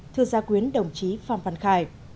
thưa gia quyến đồng chí phan văn khải